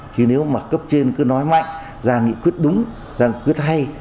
chứ nếu mà cấp trên cứ nói mạnh ra nghị quyết đúng ra nghị quyết hay